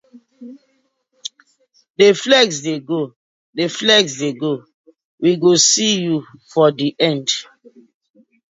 Dey flex dey go, dey flex dey go, we go see yu for di end.